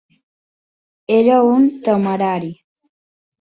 Era un temerari.